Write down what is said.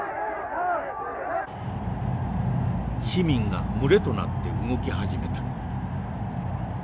「市民が群れとなって動き始めた。